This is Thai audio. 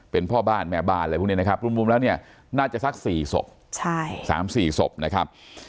เป็นพ่อบ้านแม่บ้านอะไรพวกนี้นะครับรวมแล้วเนี่ยน่าจะสัก๔ศพ๓๔ศพนะครับ